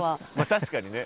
確かにね